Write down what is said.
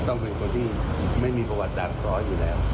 ต้องเป็นคนที่ไม่มีประวัติการเคราะห์อยู่แล้ว